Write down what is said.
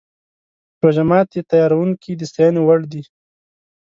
روژه ماتي تیاروونکي د ستاینې وړ دي.